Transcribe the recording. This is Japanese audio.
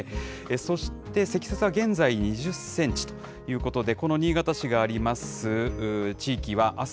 そして積雪は現在２０センチということで、この新潟市があります